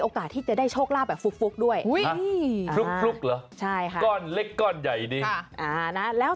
โอกาสที่จะได้โชคราบแบบฟุกด้วยก้อนเล็กก้อนใหญ่นี้แล้ว